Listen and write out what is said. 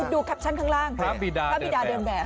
แคปชั่นข้างล่างพระบิดาเดินแบบ